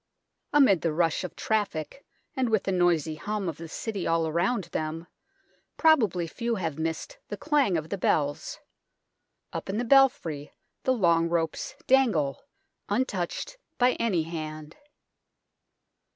Amid the rush of traffic and with the noisy hum of the City all around them, probably few have missed the clang of the bells. Up in the belfry the long ropes dangle, untouched by any hand.